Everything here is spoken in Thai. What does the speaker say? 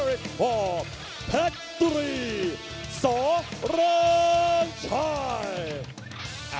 มีความรู้สึกว่า